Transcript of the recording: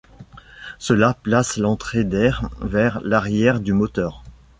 Cela place l'entrée d'air vers l'arrière du moteur.